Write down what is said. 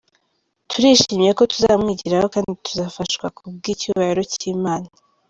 Turishimiye ko tuzamwigiraho kandi ko tuzafashwa kubw’icyubahiro cy’Imana.